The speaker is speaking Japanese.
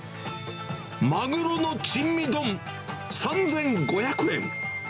マグロの珍味丼３５００円。